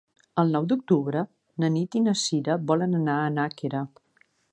El nou d'octubre na Nit i na Sira volen anar a Nàquera.